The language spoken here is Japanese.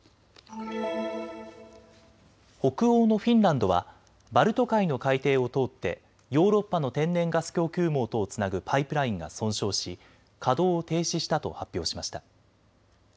北欧のフィンランドはバルト海の海底を通ってヨーロッパの天然ガス供給網をつなぐパイプラインが損傷し稼働を停止したと発表しました。